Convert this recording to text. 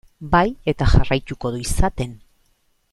Bai, eta jarraituko du izaten.